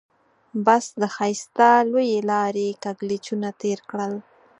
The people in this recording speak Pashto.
بس د ښایسته لويې لارې کږلېچونه تېر کړل.